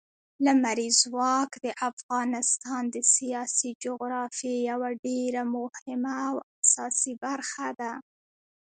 لمریز ځواک د افغانستان د سیاسي جغرافیې یوه ډېره مهمه او اساسي برخه ده.